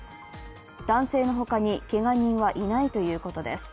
男性の他にけが人はいないということです。